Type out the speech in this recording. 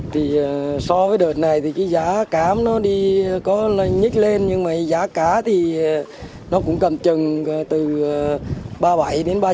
thì so với đợt này thì cái giá cám nó đi có nhích lên nhưng mà giá cá thì nó cũng cầm chừng từ ba mươi bảy đến ba mươi